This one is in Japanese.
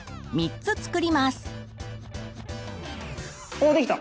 おできた。